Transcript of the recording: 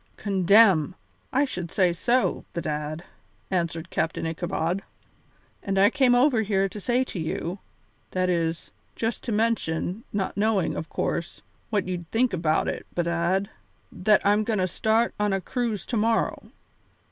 "Condemn! I should say so, bedad," answered Captain Ichabod; "and I came over here to say to you that is, just to mention, not knowing, of course, what you'd think about it, bedad that I'm goin' to start on a cruise to morrow.